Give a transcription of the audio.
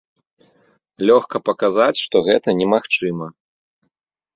Лёгка паказаць, што гэта немагчыма.